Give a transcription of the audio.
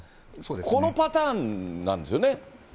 このパターンなんですよね。